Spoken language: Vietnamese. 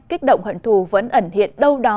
kích động hận thù vẫn ẩn hiện đâu đó